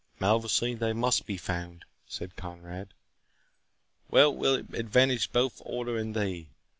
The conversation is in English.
"Malvoisin, they MUST be found," said Conrade; "well will it advantage both the Order and thee.